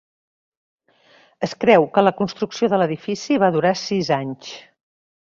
Es creu que la construcció de l'edifici va durar sis anys.